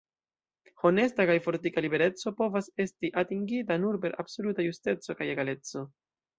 Honesta kaj fortika libereco povas esti atingita nur per absoluta justeco kaj egaleco.